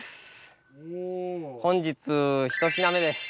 本日ひと品目です。